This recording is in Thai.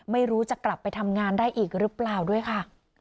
ไม่รู้จะกลับไปทำงานได้อีกหรือเปล่าด้วยค่ะ